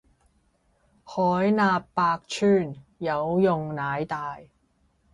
海納百川，有容乃大